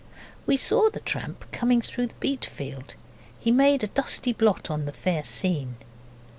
We saw the tramp coming through the beetfield. He made a dusty blot on the fair scene.